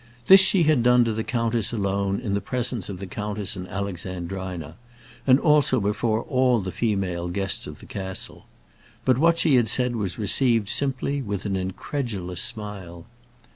This she had done to the countess alone, in the presence of the countess and Alexandrina, and also before all the female guests of the castle. But what she had said was received simply with an incredulous smile.